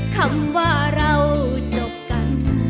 คำว่าเราจบกัน